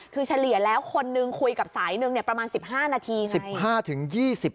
คือเฉลี่ยแล้วคนนึงคุยกับสายหนึ่งประมาณ๑๕นาที